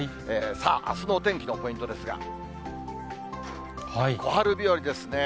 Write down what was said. さあ、あすのお天気のポイントですが、小春日和ですね。